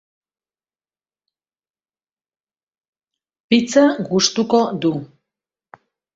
Pizza gustuko du.